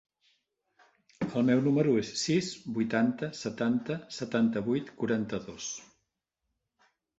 El meu número es el sis, vuitanta, setanta, setanta-vuit, quaranta-dos.